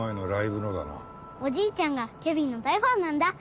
おじいちゃんがケビンの大ファンなんだ！